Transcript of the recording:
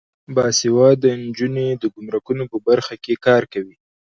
باسواده نجونې د ګمرکونو په برخه کې کار کوي.